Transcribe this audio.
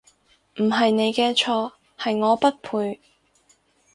唔係你嘅錯，係我不配